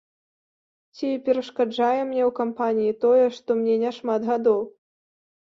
Ці перашкаджае мне ў кампаніі тое, што мне няшмат гадоў?